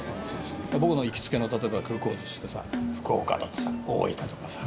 僕の行きつけの例えば空港寿司ってさ福岡とかさ大分とかさ